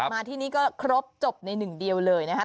มาที่นี่ก็ครบจบในหนึ่งเดียวเลยนะคะ